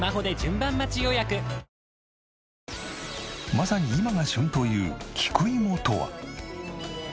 まさに今が旬という菊芋とは？